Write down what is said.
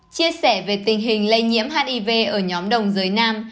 chia sẻ về tình hình lây nhiễm hiv ở nhóm đồng dưới nam